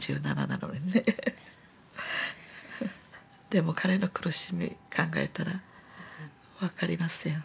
でも彼の苦しみ考えたら分かりますよ。